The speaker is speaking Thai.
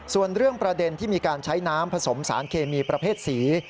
ส่วนเรื่องประเด็นที่มีการใช้น้ำผสมสารเคมีประเภทสี